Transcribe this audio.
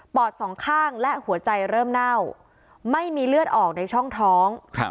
อดสองข้างและหัวใจเริ่มเน่าไม่มีเลือดออกในช่องท้อง